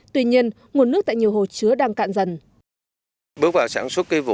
tuy nhiên nguồn nước tại nhiều hồ chứa đang cạn dần